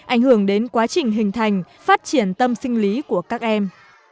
ảnh hưởng đến quá trình hình thành phát triển tâm sinh lý của các em